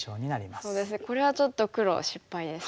これはちょっと黒失敗ですか。